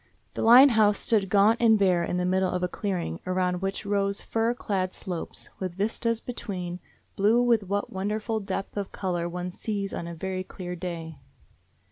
The Line House stood gaunt and bare in the middle of a clearing, around which rose fir clad slopes, with vistas between, blue with that wonderful depth of color one sees on a very clear day.